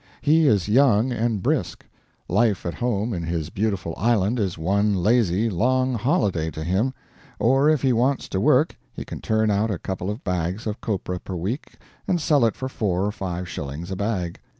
He is young and brisk; life at home in his beautiful island is one lazy, long holiday to him; or if he wants to work he can turn out a couple of bags of copra per week and sell it for four or five shillings a bag.